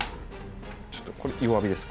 ちょっとこれ弱火です